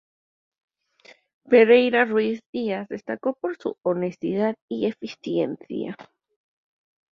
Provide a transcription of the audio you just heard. Pereira Ruíz Díaz destacó por su honestidad y eficiencia.